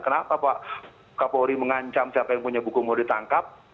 kenapa pak kapolri mengancam siapa yang punya buku mau ditangkap